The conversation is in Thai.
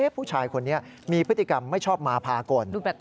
ผู้ชายคนนี้มีพฤติกรรมไม่ชอบมาพากล